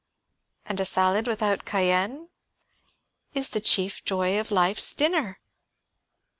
"And a salad with cayenne?" "Is the chief joy of life's dinner."